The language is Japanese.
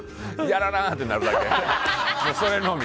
やらな！ってなるだけ。